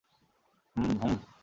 ম্ম, হুম।